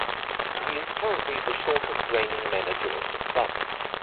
He is currently the shortest-reigning manager of the club.